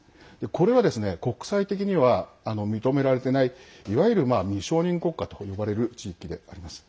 これは国際的には認められていないいわゆる、未承認国家と呼ばれる地域であります。